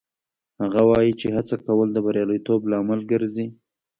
هغه وایي چې هڅه کول د بریالیتوب لامل ګرځي